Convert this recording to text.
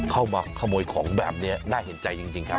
เข้ามาขโมยของแบบนี้น่าเห็นใจจริงครับ